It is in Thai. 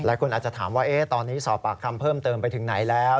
หลายคนอาจจะถามว่าตอนนี้สอบปากคำเพิ่มเติมไปถึงไหนแล้ว